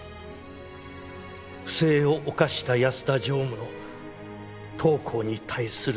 「不正を犯した安田常務の当行に対する罪は深い」